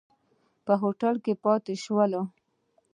په هوټل کې پاتې شول.